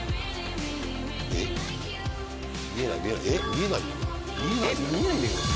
見えないよ。